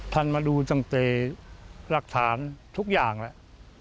ท่านมาดูตั้งแต่หลักฐานทุกอย่างแล้ว